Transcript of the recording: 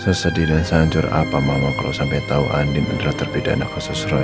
sesedih dan sancur apa mama kalau sampai tahu andi benar terbeda anakku sesuai